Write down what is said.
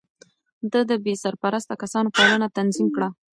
ده د بې سرپرسته کسانو پالنه تنظيم کړه.